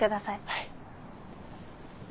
はい。